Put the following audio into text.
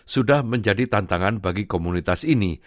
sudah menjadi tantangan bagi komunitas ini